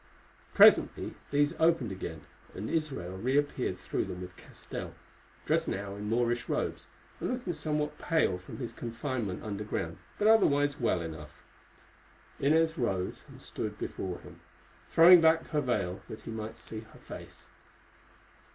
Presently these opened again, and Israel reappeared through them with Castell, dressed now in Moorish robes, and looking somewhat pale from his confinement underground, but otherwise well enough. Inez rose and stood before him, throwing back her veil that he might see her face.